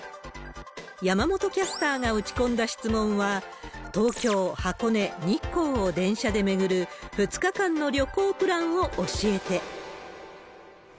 山本キャスターが打ち込んだ質問は、東京、箱根、日光を電車で巡る２日間の旅行プランを教えて。